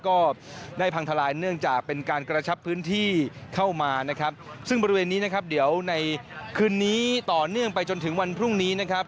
ก็ได้พังทลายเนื่องจากเป็นการกระชับพื้นที่เข้ามานะครับซึ่งบริเวณนี้นะครับเดี๋ยวในคืนนี้ต่อเนื่องไปจนถึงวันพรุ่งนี้นะครับ